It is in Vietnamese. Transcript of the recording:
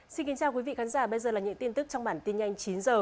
xin kính chào quý vị khán giả bây giờ là những tin tức trong bản tin nhanh chín h